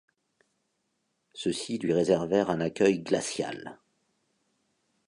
Ceux-ci lui réservèrent un accueil glacial.